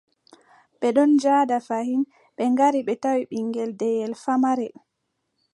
Ɓe ɗon njaada fayin, ɓe ngari, ɓe tawi, ɓiŋngel deyel famarel.